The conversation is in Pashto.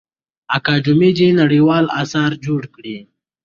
اکاډمي دي نړیوال اثار جوړ کړي.